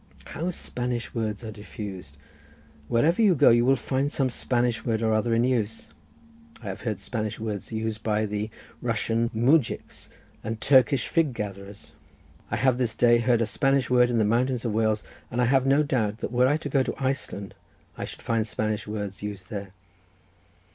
"How Spanish words are diffused! Wherever you go you will find some Spanish word or other in use. I have heard Spanish words used by Russian mujiks, and Turkish fig gatherers—I have this day heard a Spanish word in the mountains of Wales, and I have no doubt that were I to go to Iceland I should find Spanish words used there.